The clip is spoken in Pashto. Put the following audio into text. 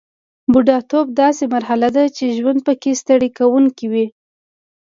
بوډاتوب داسې مرحله ده چې ژوند پکې ستړي کوونکی وي